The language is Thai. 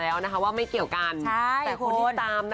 เอาวันโรงรัมดีกว่าถูกไหม